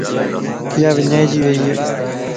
ياوڃائيجي ويئيَ